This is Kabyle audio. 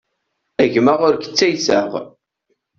A gma ur k-ttayseɣ.